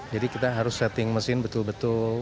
jadi kita harus setting mesin betul betul